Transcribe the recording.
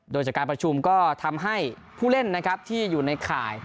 โดยจากการประชุมก็ทำให้ผู้เล่นนะครับที่อยู่ในข่าย